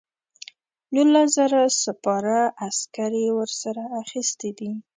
نولس زره سپاره عسکر یې ورسره اخیستي دي.